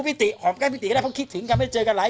พี่ติหอมแก้มพี่ติก็ได้เพราะคิดถึงกันไม่เจอกันหลาย